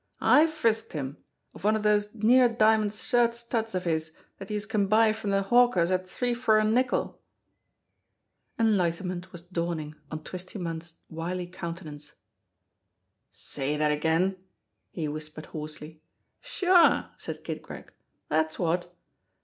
"I frisked him of one of dose near diamond shirt studs of his dat youse can buy from de hawkers at three for a nickel !" Enlightenment was dawning on Twisty Munn's wily coun tenance. "Say dat again !" he whispered hoarsely. "Sure!" said Kid Gregg. "Dat's wot!